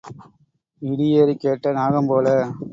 இடியேறு கேட்ட நாகம் போல.